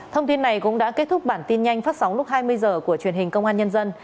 thông tin này cũng đã kết thúc bản tin nhanh phát sóng lúc hai mươi h của truyền hình công an nhân dân